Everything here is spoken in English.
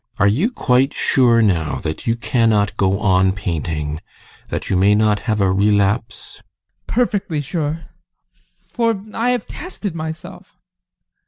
GUSTAV. Are you quite sure now that you cannot go on painting that you may not have a relapse? ADOLPH. Perfectly sure! For I have tested myself.